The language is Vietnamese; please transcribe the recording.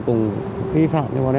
cũng vi phạm cho bọn em phải liều